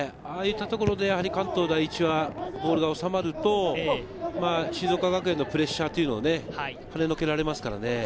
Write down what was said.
あいたところで関東第一は、ボールが収まると、静岡学園のプレッシャーというのをはねのけられますからね。